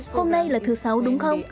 hôm nay là thứ sáu đúng không